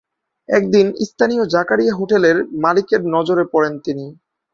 একদিন স্থানীয় জাকারিয়া হোটেলের মালিকের নজরে পড়েন তিনি।